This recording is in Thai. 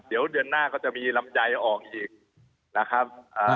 เดี๋ยวเดือนหน้าก็จะมีลำไยออกอีกนะครับ